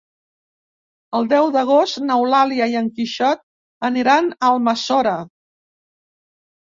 El deu d'agost n'Eulàlia i en Quixot aniran a Almassora.